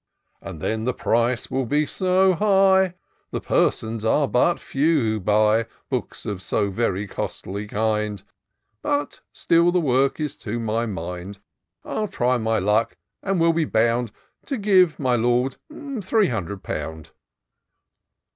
And then the price will be so high ;— The persons are but few who buy Books of so very costly kind ; But still the work is to my mind: m try my luck, and will be bound To give, my Lord, three hundred pound."